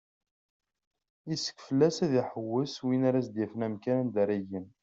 Yessefk fell-as ad iḥewwes win ara as-d-yafen amkan anda ara igen.